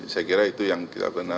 saya kira itu yang kita